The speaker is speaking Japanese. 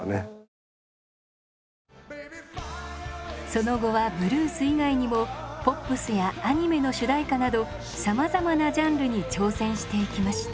その後はブルース以外にもポップスやアニメの主題歌などさまざまなジャンルに挑戦していきました。